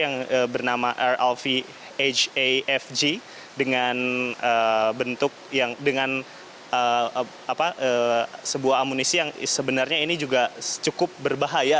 yang bernama rlvhafg dengan bentuk yang dengan sebuah amunisi yang sebenarnya ini juga cukup berbahaya